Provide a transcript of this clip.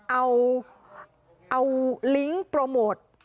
เอาลิงก์โปรโมท